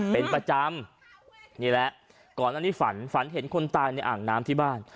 เป็นประจำนี่แหละก่อนอันนี้ฝันฝันเห็นคนตายในอ่างน้ำที่บ้าน